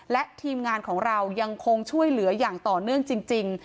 และทีมงานของเรายังคงช่วยเหลืออย่างต่อเนื่องจริง